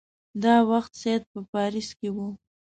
دا وخت سید په پاریس کې وو.